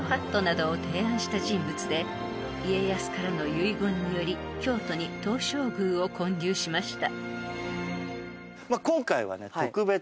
［家康からの遺言により京都に東照宮を建立しました］